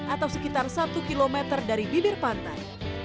atau sekitar satu km dari bibir pantai